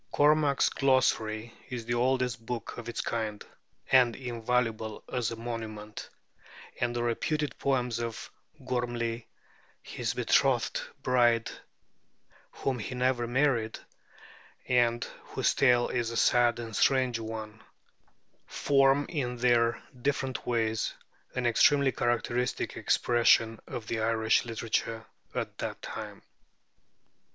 Cormac's 'Glossary' is the oldest book of its kind, and invaluable as a monument; and the reputed poems of Gorm'ly, his betrothed bride, whom he never married, and whose tale is a sad and strange one, form in their different ways an extremely characteristic expression of the Irish literature of the time.